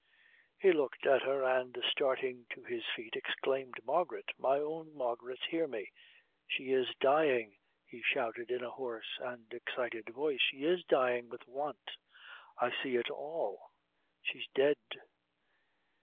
He looked at her, and starting to his feet, exclaimed "Margaret, my own Margaret, hear me! She is dyin'," he shouted, in a hoarse and excited voice "she is dyin' with want. I see it all. She's dead!"